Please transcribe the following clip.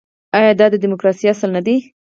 آیا دا د ډیموکراسۍ اصل نه دی؟